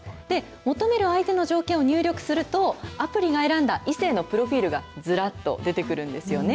求める相手の条件を入力すると、アプリが選んだ異性のプロフィールがずらっと出てくるんですよね。